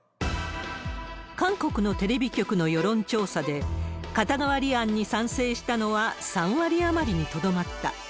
韓国のテレビ局の世論調査で、肩代わり案に賛成したのは３割余りにとどまった。